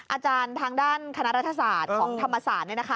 อาจารย์ทางด้านคณะรัฐศาสตร์ของธรรมศาสตร์เนี่ยนะคะ